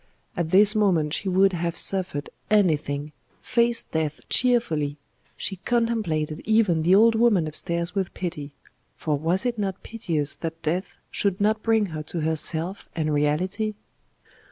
At this moment she would have suffered anything, faced death cheerfully she contemplated even the old woman upstairs with pity for was it not piteous that death should not bring her to herself and reality?